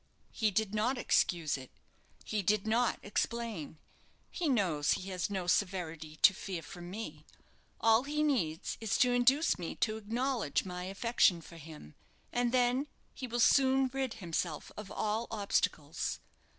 "He did not excuse it; he did not explain; he knows he has no severity to fear from me. All he needs is to induce me to acknowledge my affection for him, and then he will soon rid himself of all obstacles.